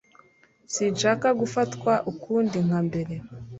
Sinshaka gufatwa ukundi nka mbere